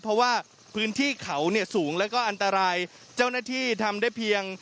เพราะว่าพื้นที่เขาเนี่ยสูงแล้วก็อันตรายเจ้าหน้าที่ทำได้เพียง